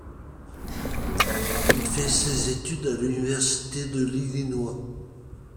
Il fait ses études à l'Université de l'Illinois.